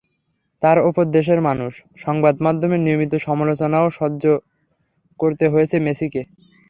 তার ওপর দেশের মানুষ, সংবাদমাধ্যমের নিয়মিত সমালোচনাও সহ্য করতে হয়েছে মেসিকে।